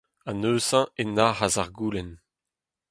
Ha neuze e nac'has ar goulenn.